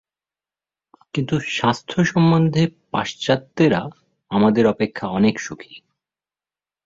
কিন্তু স্বাস্থ্য সম্বন্ধে পাশ্চাত্যেরা আমাদের অপেক্ষা অনেক সুখী।